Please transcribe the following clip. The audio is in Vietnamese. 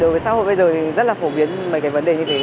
đối với xã hội bây giờ thì rất là phổ biến mấy cái vấn đề như thế